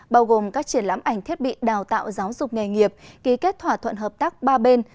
bao gồm các triển lãm ảnh thiết bị đào tạo giáo dục nghề nghiệp ký kết thỏa thuận hợp tác ba bên